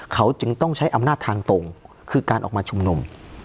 เขาจึงต้องใช้อำนาจทางตรงคือการออกมาชุมนุม